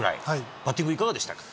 バッティングいかがでしたか。